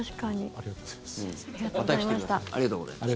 ありがとうございます。